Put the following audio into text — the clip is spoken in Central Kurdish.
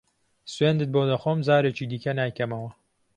سوێندت بۆ دەخۆم جارێکی دیکە نایکەمەوە.